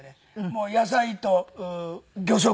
もう野菜と魚食。